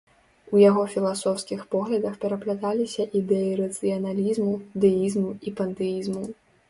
У яго філасофскіх поглядах перапляталіся ідэі рацыяналізму, дэізму і пантэізму.